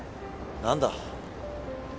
何だ？